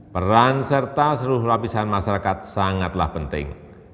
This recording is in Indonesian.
peran serta seluruh lapisan masyarakat sangatlah penting